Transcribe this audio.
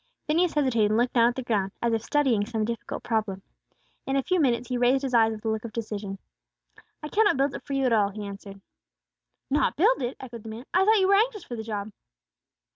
Phineas hesitated, and looked down at the ground, as if studying some difficult problem. In a few minutes he raised his eyes with a look of decision. "I cannot build it for you at all," he answered. "Not build it!" echoed the man. "I thought you were anxious for the job."